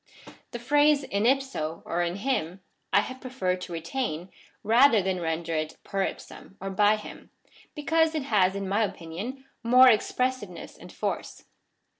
The phrase in ipso (i7i him) I have preferred to retain, rather than render it per ipsiim (by him,) because it has in my opinion more expressiveness and force.